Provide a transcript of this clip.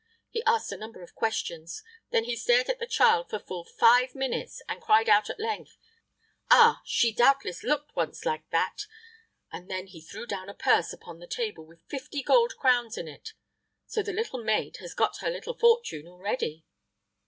He asked a number of questions. Then he stared at the child for full five minutes, and cried out at length, 'Ah! she doubtless looked once like that,' and then he threw down a purse upon the table with fifty gold crowns in it. So the little maid has got her little fortune already."